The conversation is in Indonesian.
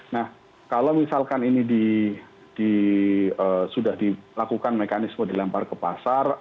nah kalau misalkan ini sudah dilakukan mekanisme dilempar ke pasar